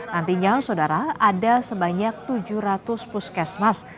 nantinya saudara ada sebanyak tujuh ratus puskesmas